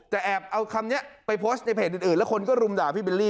แต่แอบเอาคำนี้ไปโพสต์ในเพจอื่นแล้วคนก็รุมด่าพี่บิลลี่